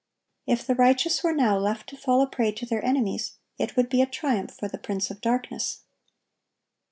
If the righteous were now left to fall a prey to their enemies, it would be a triumph for the prince of darkness.